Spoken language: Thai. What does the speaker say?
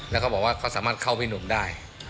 แล้วเขาบอกว่าเขาสามารถเข้าพี่หนุ่มได้